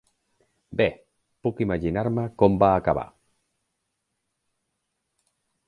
Bé, puc imaginar-me com va acabar.